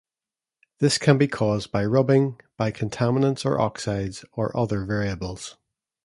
This can be caused by rubbing, by contaminants or oxides, or other variables.